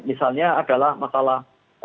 misalnya adalah masalah